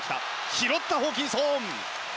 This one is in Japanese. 拾った、ホーキンソン。